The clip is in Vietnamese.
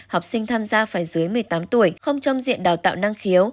học sinh tham gia phải dưới một mươi tám tuổi không trong diện đào tạo năng khiếu